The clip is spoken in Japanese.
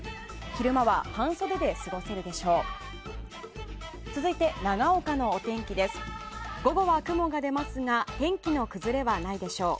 昼間は半袖で過ごせるでしょう。